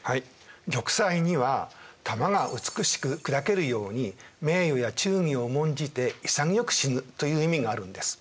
「玉砕」には「玉が美しく砕けるように名誉や忠義を重んじて潔く死ぬ」という意味があるんです。